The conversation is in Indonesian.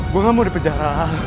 gue gak mau di penjara